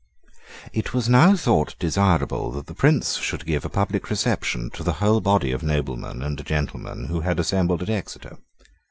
It was now thought desirable that the Prince should give a public reception to the whole body of noblemen and gentlemen who had assembled at Exeter.